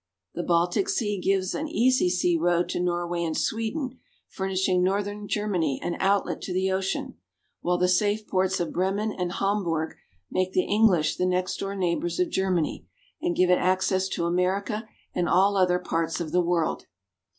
The Baltic Sea gives an easy sea road to Norway and Sweden, furnishing northern Germany an outlet to the ocean, while the safe ports of Bremen and Hamburg make the English the next door neighbors of Germany, and give it access to America and all other parts of the world.